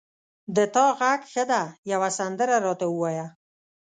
د تا غږ ښه ده یوه سندره را ته ووایه